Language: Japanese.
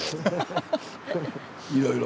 いろいろ。